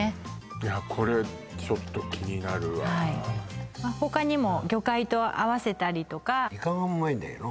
いやこれちょっと気になるわ他にも魚介と合わせたりとかイカがうまいんだよな